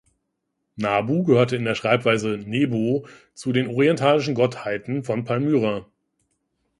Nabu gehörte in der Schreibweise "Nebo" zu den orientalischen Gottheiten von Palmyra.